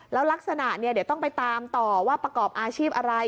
แล้วลักษณะเนี่ยเดี๋ยวต้องไปตามต่อว่าประกอบอาชีพอะไร